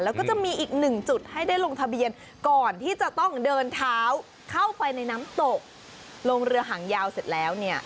แล้วก็จะมีอีกหนึ่งจุดให้ได้ลงทะเบียนก่อนที่จะต้องเดินเท้าเข้าไปในน้ำตกลงเรือหางยาวเสร็จแล้วเนี่ย